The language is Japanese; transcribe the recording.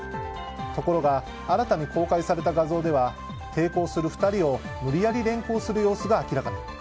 ところが新たに公開された画像では抵抗する２人を無理やり連行する様子が明らかに。